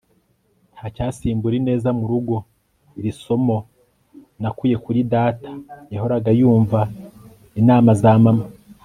nta cyasimbura ineza murugo. iri somo nakuye kuri data. yahoraga yumva inama za mama